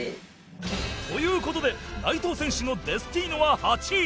という事で内藤選手のデスティーノは８位